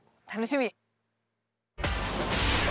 楽しみ。